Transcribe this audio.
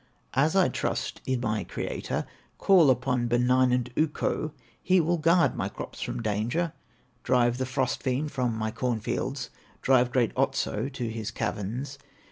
As I trust in my Creator, Call upon benignant Ukko, He will guard my crops from danger, Drive the Frost fiend from my corn fields, Drive great Otso to his caverns.